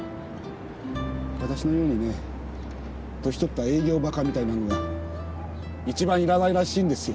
わたしのようにね年取った営業バカみたいなのがいちばんいらないらしいんですよ